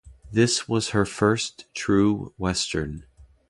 This was her first true western.